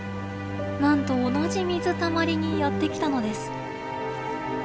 なんと同じ水たまりにやって来たのです。